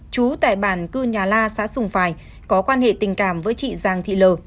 chú tại bản cư nhà la xã sùng phài có quan hệ tình cảm với chị giàng thị lờ